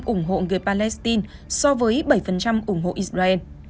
bốn mươi bảy ủng hộ người palestine so với bảy ủng hộ israel